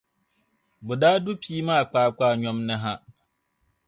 bɛ daa du pii maa kpaakpaanyom ni ha.